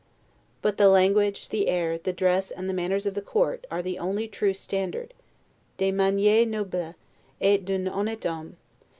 But the language, the air, the dress, and the manners of the court, are the only true standard 'des manieres nobles, et d'un honnete homme.